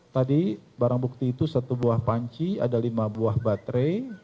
tadi barang bukti itu satu buah panci ada lima buah baterai